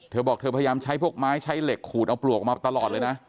เธอบอกเธอพยายามใช้พวกไม้ใช้เหล็กขูดเอาปลวกออกมาตลอดเลยนะ